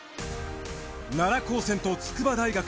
奈良高専と筑波大学。